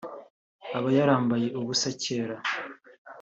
aba yarambaye ubusa cyera